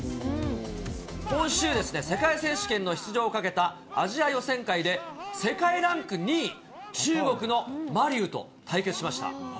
今週、世界選手権の出場をかけたアジア予選会で、世界ランク２位、中国の馬龍と対決しました。